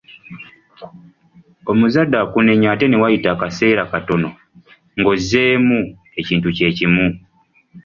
Omuzadde akunenya ate ne wayita akaseera katono nga ozzeemu ekinti kye kimu.